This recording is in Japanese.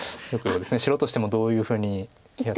白としてもどういうふうにやっていくのか。